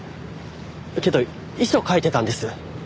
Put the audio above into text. けど遺書書いてたんです。